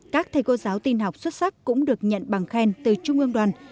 các thầy cô giáo tin học xuất sắc cũng được nhận bằng khen từ trung ương đoàn